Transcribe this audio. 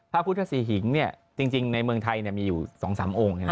พระพุทธศรีหิงจริงในเมืองไทยมีอยู่๒๓องค์